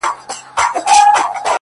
اوس مي هم ښه په ياد دي زوړ نه يمه _